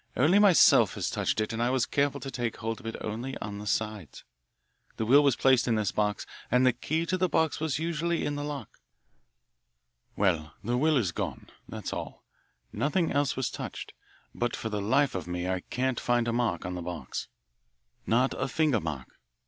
Only myself has touched it, and I was careful to take hold of it only on the sides. The will was placed in this box, and the key to the box was usually in the lock. Well, the will is gone. That's all; nothing else was touched. But for the life of me I can't find a mark on the box, not a finger mark.